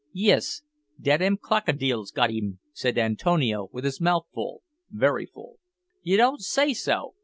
"Yis, dat am krokidils got 'im," said Antonio, with his mouth full very full. "You don't say so?"